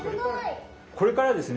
これからですね